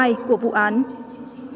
hãy đăng ký kênh để nhận thông tin nhất